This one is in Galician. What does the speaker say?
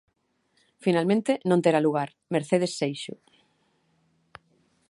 Finalmente non terá lugar, Mercedes Seixo.